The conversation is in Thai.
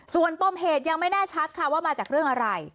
ส่วนปมเหตุยังไม่แน่ชัดค่ะว่ามาจากเรื่องอะไร